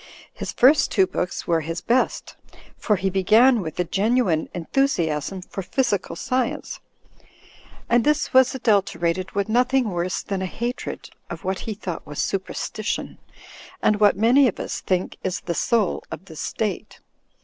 His first two books were his best, for he began with a genuine enthusiasm for physical science, and this was adulter ated with nothing worse than a hatred of what he thought was superstition, and what many of us think is the soul of the state.